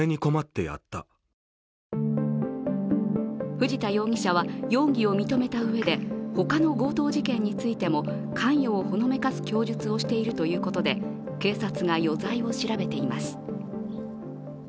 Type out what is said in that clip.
藤田容疑者は容疑を認めたうえで他の強盗事件についても関与をほのめかす供述をしているということで警察が余罪を調べています。